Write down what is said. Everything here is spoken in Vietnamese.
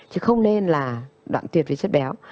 chứ không nên là đoạn tuyệt với chất béo